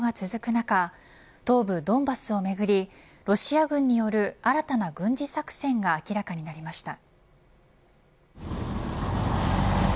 中東部ドンバスをめぐりロシア軍による新たな軍事作戦が明らかになりました。